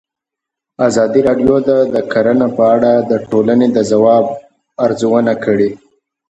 ازادي راډیو د کرهنه په اړه د ټولنې د ځواب ارزونه کړې.